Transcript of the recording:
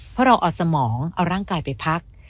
เพราะเราเอาสมองเอาร่างกายไปพัก